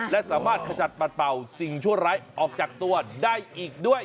และสามารถขจัดปัดเป่าสิ่งชั่วร้ายออกจากตัวได้อีกด้วย